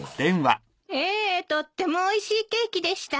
ええとってもおいしいケーキでしたわ。